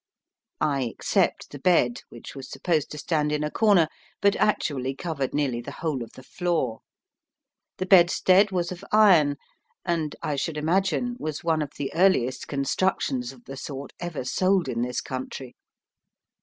I except the bed, which was supposed to stand in a corner, but actually covered nearly the whole of the floor. The bedstead was of iron, and, I should imagine, was one of the earliest constructions of the sort ever sold in this country.